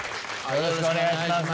よろしくお願いします。